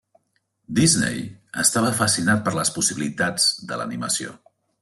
Disney estava fascinat per les possibilitats de l'animació.